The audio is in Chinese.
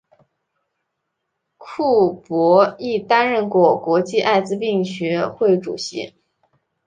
库珀亦担任过国际艾滋病学会主席。